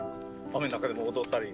雨の中でも踊ったり。